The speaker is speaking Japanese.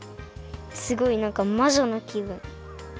すごいなんかまじょのきぶん！？